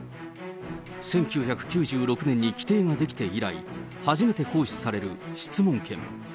１９９６年に規定が出来て以来、初めて行使される質問権。